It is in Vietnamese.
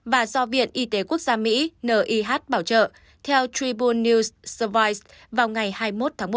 và do viện y tế quốc gia mỹ nih bảo trợ theo tripul news servoice vào ngày hai mươi một tháng một